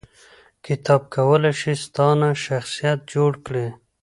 کتاب کولای شي ستا نه شخصیت جوړ کړي